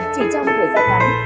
chỉ trong thời gian tháng